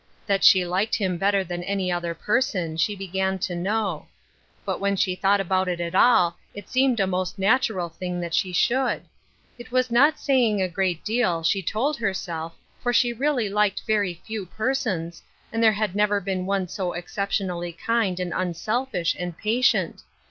That she liked him better than any other person, she began to know ; but when she thought about it at all it seemed a most natural thing that she should. It was not sapng a great deal, she told herself, for she really liked very few persons, and there had never been one so exceptionally kind and unselfish and patient.